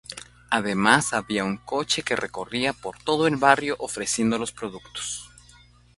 Además había un coche que recorría por todo el barrio ofreciendo los productos.